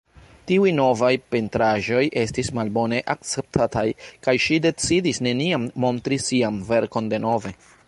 Tiuj novaj pentraĵoj estis malbone akceptataj, kaj ŝi decidis neniam montri sian verkon denove.